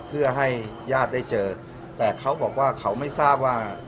เพื่อให้ญาติได้เจอแต่เขาบอกว่าเขาไม่ทราบว่า